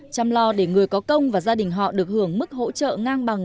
chăm lo để người có công và gia đình họ được hưởng mức hỗ trợ ngang bằng